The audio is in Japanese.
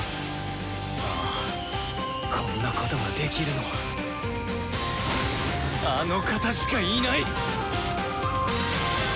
ああこんなことができるのはあの方しかいない！